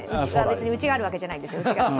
別にうちがあるわけじゃないですよ。